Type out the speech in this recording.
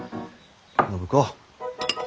暢子。